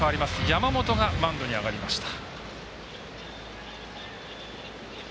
山本がマウンドに上がりました。